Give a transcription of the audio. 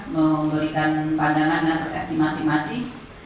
memberikan pandangan dan persepsi masing masing